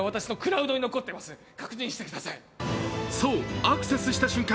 そう、アクセスした瞬間